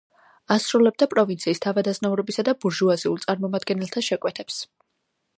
ასრულებდა პროვინციის თავადაზნაურობისა და ბურჟუაზიულ წარმომადგენელთა შეკვეთებს.